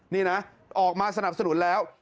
นี่นะออกมาสนับสนุนแล้ว